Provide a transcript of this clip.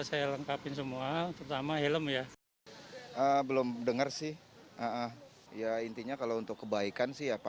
saya lengkapin semua pertama helm ya belum denger sih ya intinya kalau untuk kebaikan sih apa